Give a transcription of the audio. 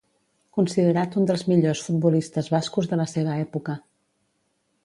Considerat un dels millors futbolistes bascos de la seva època.